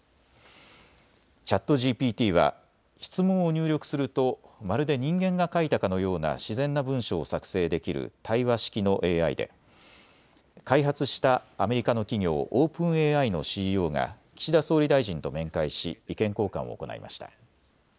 ＣｈａｔＧＰＴは質問を入力するとまるで人間が書いたかのような自然な文章を作成できる対話式のＡＩで開発したアメリカの企業、オープンＡＩのＣＥＯが岸田総理大臣と面会し意見交換を行いました。